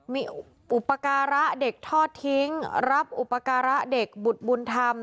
มีอุปการะเด็กทอดทิ้งรับอุปการะเด็กบุตรบุญธรรม